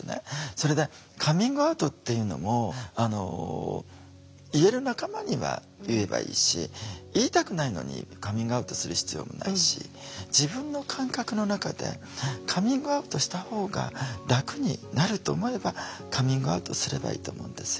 それでカミングアウトっていうのも言える仲間には言えばいいし言いたくないのにカミングアウトする必要もないし自分の感覚の中でカミングアウトしたほうが楽になると思えばカミングアウトすればいいと思うんですよ。